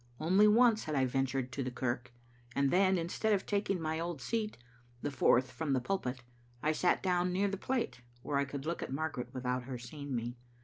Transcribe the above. Only once had I ventured to the kirk, and then, instead of taking my old seat, the fourth from the pulpit, I sat down near the plate, where I could look at Margaret without her seeing me.